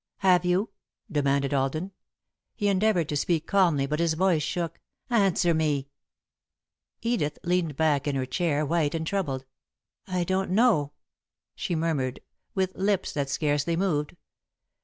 "Have you?" demanded Alden. He endeavoured to speak calmly, but his voice shook. "Answer me!" Edith leaned back in her chair, white and troubled. "I don't know," she murmured, with lips that scarcely moved.